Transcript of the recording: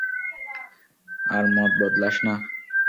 আর মত বদলাস না।